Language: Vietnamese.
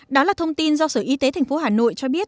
đó là thông tin do sở y tế tp hà nội cho biết